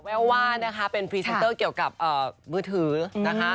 ว่านะคะเป็นพรีเซนเตอร์เกี่ยวกับมือถือนะคะ